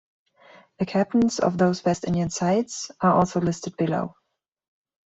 The captains of those West Indian sides are also listed below.